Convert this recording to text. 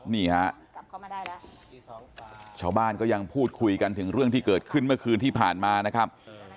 นี่ฮะชาวบ้านก็ยังพูดคุยกันถึงเรื่องที่เกิดขึ้นเมื่อคืนที่ผ่านมานะครับ